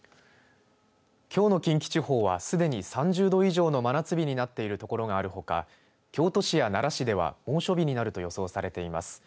きょうの近畿地方はすでに３０度以上の真夏日になっているところがあるほか京都市や奈良市では猛暑日になると予想されています。